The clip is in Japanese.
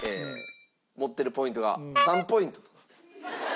持ってるポイントが３ポイントとなっております。